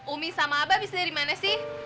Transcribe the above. umi sama abah bisa dari mana sih